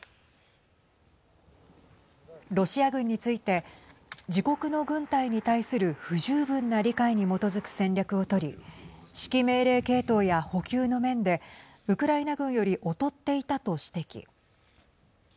ロシア軍について自国の軍隊に対する不十分な理解に基づく戦略を取り指揮命令系統や補給の面でウクライナ軍より劣っていたと指摘。